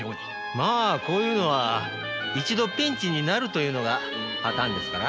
まあこういうのは一度ピンチになるというのがパターンですから。